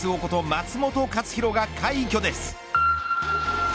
松元克央が快挙です。